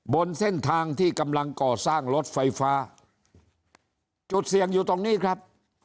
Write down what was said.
บนเส้นทางที่กำลังก่อสร้างรถไฟฟ้าจุดเสี่ยงอยู่ตรงนี้ครับ